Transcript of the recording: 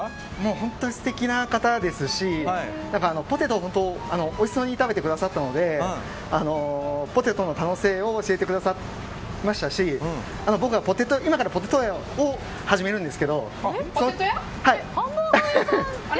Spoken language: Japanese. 本当に素敵な方ですしポテトおいしそうに食べてくださったのでポテトの可能性を教えてくださいましたし僕は今からポテト屋を始めるんですけど。